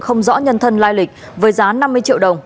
không rõ nhân thân lai lịch với giá năm mươi triệu đồng